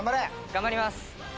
頑張ります。